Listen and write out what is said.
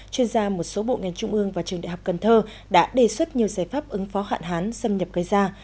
chuyên gia một số bộ ngành trung ương và trường đại học cần thơ đã đề xuất nhiều giải pháp ứng phó hạn hán xâm nhập gây ra